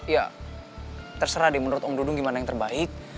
ya terserah deh menurut om dudung gimana yang terbaik